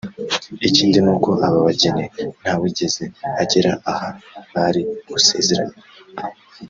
Ikindi ni uko aba bageni nta wigeze agera aha bari gusezeranira